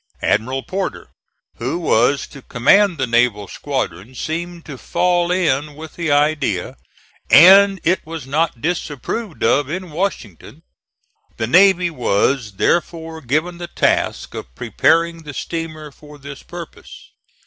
Admiral Porter, who was to command the naval squadron, seemed to fall in with the idea, and it was not disapproved of in Washington; the navy was therefore given the task of preparing the steamer for this purpose.